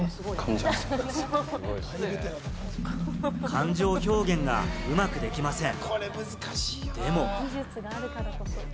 感情表現がうまくできません。